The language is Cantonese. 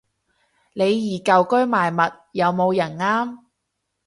李怡舊居賣物，有冇人啱